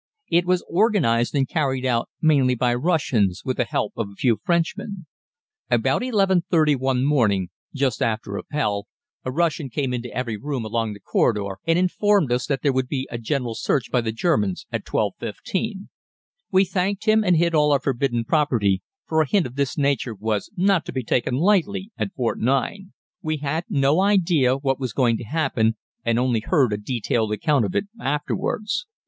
It was organized and carried out mainly by Russians with the help of a few Frenchmen. About 11.30 one morning, just after Appell, a Russian came into every room along the corridor and informed us that there would be a general search by the Germans at 12.15. We thanked him and hid all our forbidden property, for a hint of this nature was not to be taken lightly at Fort 9. We had no idea what was going to happen, and only heard a detailed account of it afterwards.